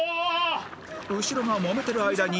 ［後ろがもめてる間に］